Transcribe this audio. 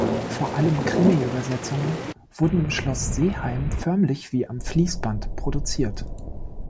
Vor allem Krimi-Übersetzungen wurden im Schloß Seeheim förmlich wie am Fließband produziert.